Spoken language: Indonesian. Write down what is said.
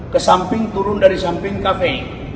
kesamping turun dari samping kafe